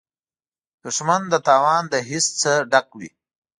دښمن د تاوان د حس نه ډک وي